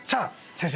先生